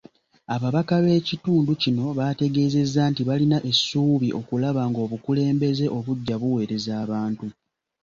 Ababaka b’ekitundu kino baategeezezza nti balina essuubi okulaba ng’obukulembeze obuggya buweereza abantu.